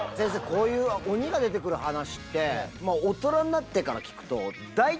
こういう鬼が出てくる話って大人になってから聞くとだいたい。